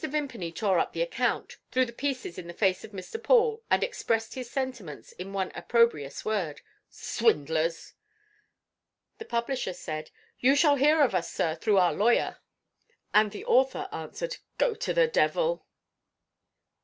Vimpany tore up the account, threw the pieces in the face of Mr. Paul, and expressed his sentiments in one opprobrious word: "Swindlers!" The publisher said: "You shall hear of us, sir, through our lawyer." And the author answered: "Go to the devil!"